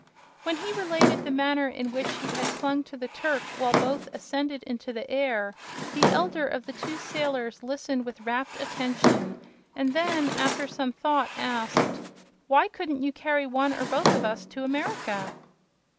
When he related the manner in which he had clung to the Turk while both ascended into the air, the elder of the two sailors listened with rapt attention, and then, after some thought, asked: "Why couldn't you carry one or both of us to America?"